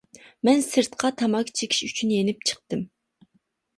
مەن سىرتقا تاماكا چېكىش ئۈچۈن يېنىپ چىقتىم.